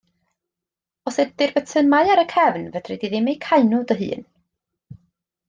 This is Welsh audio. Os ydi'r botymau ar y cefn fedri ddim eu cau nhw dy hun.